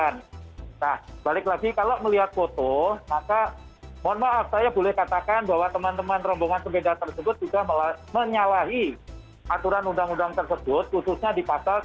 nah balik lagi kalau melihat foto maka mohon maaf saya boleh katakan bahwa teman teman rombongan sepeda tersebut sudah menyalahi aturan undang undang tersebut khususnya di pasal satu ratus